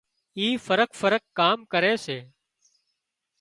اي فرق فرق ڪام ڪري سي